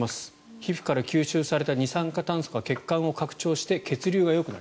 皮膚から吸収された二酸化炭素が血管を拡張して血流がよくなる。